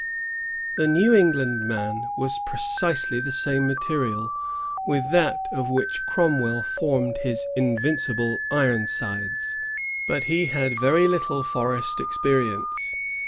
The New England man was precisely the same material with that of which Cromwell formed his invincible "Ironsides;" but he had very little forest experience.